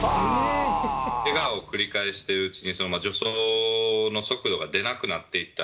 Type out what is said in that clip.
けがを繰り返しているうちに、助走の速度が出なくなっていった。